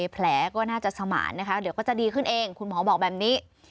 แผลก็น่าจะสมานนะคะเดี๋ยวก็จะดีขึ้นเองคุณหมอบอกแบบนี้